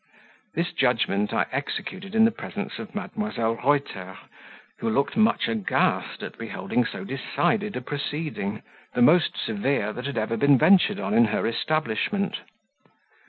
This judgment I executed in the presence of Mdlle. Reuter, who looked much aghast at beholding so decided a proceeding the most severe that had ever been ventured on in her establishment.